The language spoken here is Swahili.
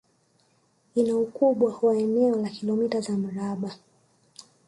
Ina ukubwa wa eneo la kilomita za mraba